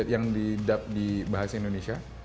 yang didap di bahasa indonesia